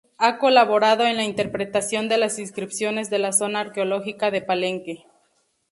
Ha colaborado en la interpretación de las inscripciones de la zona arqueológica de Palenque.